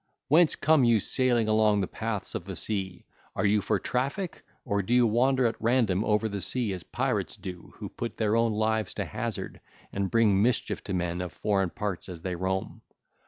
Whence come you sailing along the paths of the sea? Are you for traffic, or do you wander at random over the sea as pirates do who put their own lives to hazard and bring mischief to men of foreign parts as they roam?